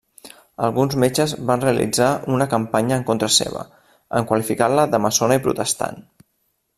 Alguns metges van realitzar una campanya en contra seva, en qualificar-la de maçona i protestant.